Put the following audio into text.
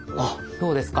どうですか？